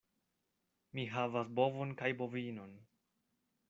Mi havas bovon kaj bovinon.